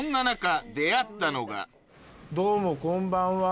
どうもこんばんは。